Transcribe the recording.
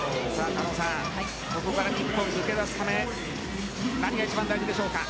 狩野さん、ここから日本、抜け出すため何が一番大事でしょうか。